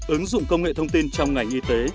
ứng dụng công nghệ thông tin trong ngành y tế